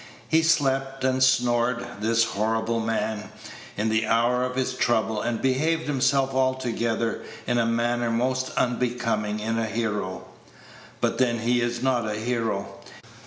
He slept and snored, this horrible man, in the hour of his trouble, and behaved himself altogether in a manner most unbecoming in a hero. But then he is not a hero.